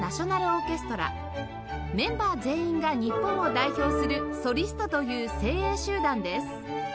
メンバー全員が日本を代表するソリストという精鋭集団です